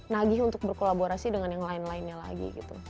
nagih untuk berkolaborasi dengan yang lain lainnya lagi gitu